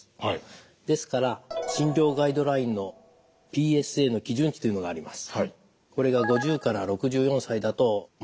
ですから診療ガイドラインのＰＳＡの基準値というのがあります。